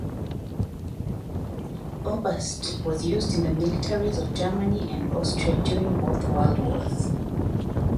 "Oberst" was used in the militaries of Germany and Austria during both World Wars.